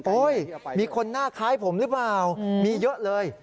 มีคนหน้าคล้ายผมหรือเปล่ามีเยอะเลย